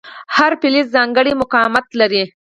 هر فلز ځانګړی مقاومت لري.